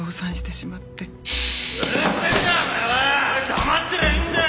黙ってりゃいいんだよ！